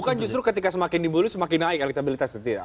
bukan justru ketika semakin diburu semakin naik elektabilitasnya